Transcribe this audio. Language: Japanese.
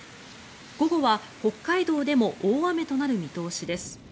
午後は北海道でも大雨となる見通しです。